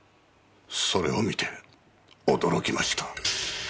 それを見て驚きました。